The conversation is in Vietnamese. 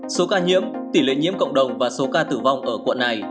số ca nhiễm tỷ lệ nhiễm cộng đồng và số ca tử vong ở quận này